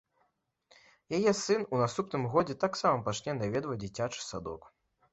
Яе сын у наступным годзе таксама пачне наведваць дзіцячы садок.